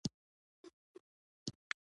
تاسو باید خپلې ورځې په عبادت تیرې کړئ